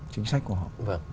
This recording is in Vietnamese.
chính sách của họ